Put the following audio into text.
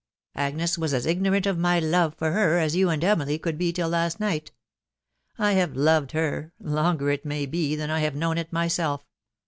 Agnes was as ignorant of my love for her as you and Emily could be till last night. ... I have loved her .... longer, it may be, than I have known it myself